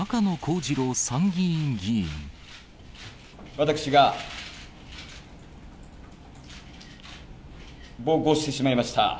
私が暴行してしまいました。